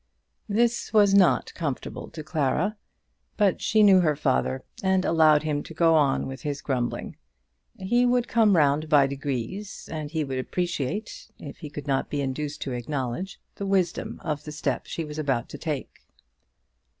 This was not comfortable to Clara; but she knew her father, and allowed him to go on with his grumbling. He would come round by degrees, and he would appreciate, if he could not be induced to acknowledge, the wisdom of the step she was about to take.